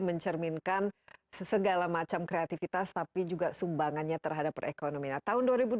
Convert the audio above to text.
mencerminkan segala macam kreativitas tapi juga sumbangannya terhadap perekonomian tahun dua ribu dua puluh